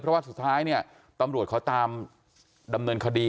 เพราะว่าสุดท้ายเนี่ยตำรวจเขาตามดำเนินคดี